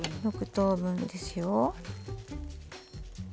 ６等分ですよ。